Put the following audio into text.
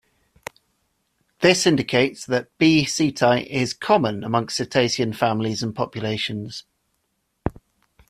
This indicates that "B. ceti" is common amongst cetacean families and populations.